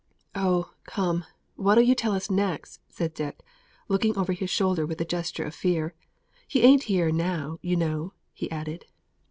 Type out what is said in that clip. "Oh, come! what'll you tell us next?" said Dick, looking over his shoulder with a gesture of fear. "He ain't here now, you know," he added.